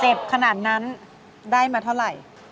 เจ็บขนาดนั้นได้มาเท่าไร